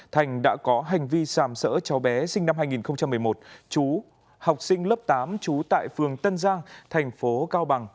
thành đã có hành vi sàm sỡ cháu bé sinh năm hai nghìn một mươi một chú học sinh lớp tám chú tại phường tân giang tp cao bằng